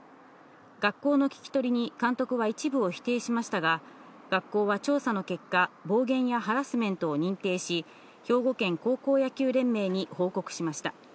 学校の聞き取りに、監督は一部を否定しましたが、学校は調査の結果、暴言やハラスメントを認定し、兵庫県高校野球連盟に報告しました。